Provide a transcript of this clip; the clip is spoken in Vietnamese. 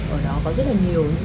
ở đó có rất là nhiều người